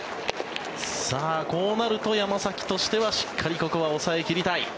こうなると山崎としてはしっかりここは抑え切りたい。